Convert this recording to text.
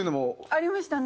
ありましたね。